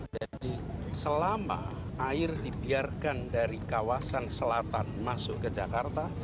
jadi selama air dibiarkan dari kawasan selatan masuk ke jakarta